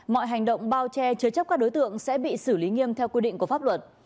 mọi hành động bao che chứa chấp các đối tượng sẽ bị xử lý nghiêm theo quy định của pháp luật